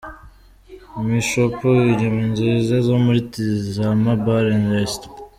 Michopo inyama nziza zo muri Tizama Bar & Resto.